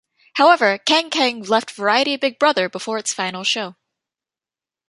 However, Kang Kang left "Variety Big Brother" before its final show.